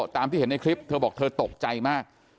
ตามที่เห็นในคลิปเธอบอกเธอตกใจมาก